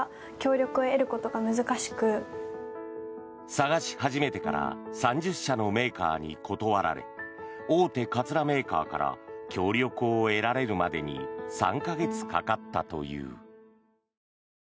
探し始めてから３０社のメーカーに断られ大手かつらメーカーから協力を得られるまでに３か月かかったという。